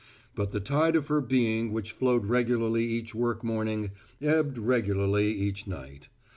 But the tide of her being which flowed regularly each work morning, ebbed regularly each night.